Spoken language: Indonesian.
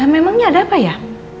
memangnya ada apa ya